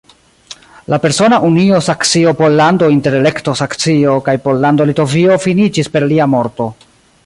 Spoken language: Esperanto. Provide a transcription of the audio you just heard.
La persona unio Saksio-Pollando inter Elekto-Saksio kaj Pollando-Litovio finiĝis per lia morto.